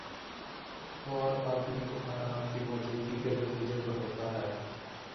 اور آبی بخارات کی موجودگی کے نتیجے میں ہوتا ہے